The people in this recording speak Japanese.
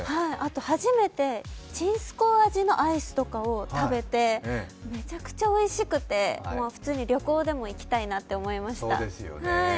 初めて、ちんすこう味のアイスとかを食べてめちゃくちゃおいしてくて普通に旅行でも行きたいなって思いました。